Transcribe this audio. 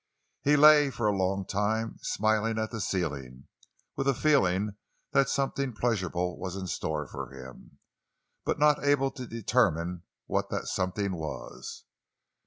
He lay for a long time smiling at the ceiling, with a feeling that something pleasurable was in store for him, but not able to determine what that something was.